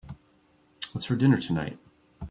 What's for dinner tonight?